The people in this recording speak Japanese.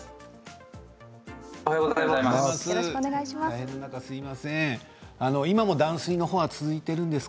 おはようございます。